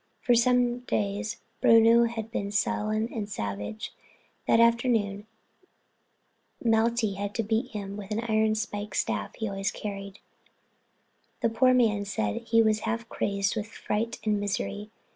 For some days Bruno had been sullen and savage—that afternoon Malti had had to beat him with the iron spiked staff he always carried. The poor man said he was half crazy with fright and misery.